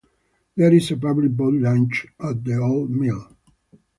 There is a public boat launch at the old mill.